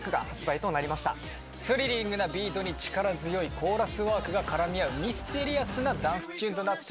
スリリングなビートに力強いコーラスワークが絡み合うミステリアスなダンスチューンとなっております。